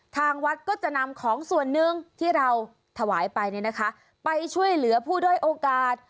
ทางวัดก็จะนำของส่วนหนึ่งที่เราถวายไปเนี่ยนะคะไปช่วยเหลือผู้ด้อยโอกาส